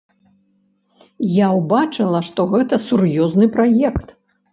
Я ўбачыў, што гэта сур'ёзны праект.